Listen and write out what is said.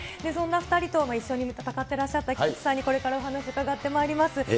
そんな２人と一緒に戦ってらっしゃった菊池さんにこれからお話伺ってまいります。